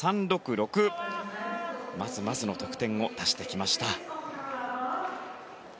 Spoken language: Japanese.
まずまずの得点を出してきました。